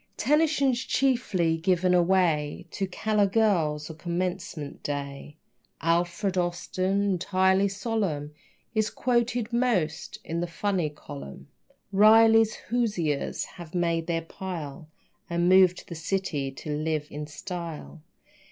Tennyson's chiefly given away To callow girls on commencement day. Alfred Austin, entirely solemn, Is quoted most in the funny column. Riley's Hoosiers have made their pile And moved to the city to live in style.